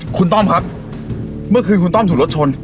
คุณต้อมครับเมื่อคืนคุณต้อมถูกรถชน